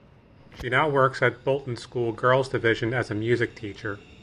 She now works at Bolton School Girls Division as a music teacher.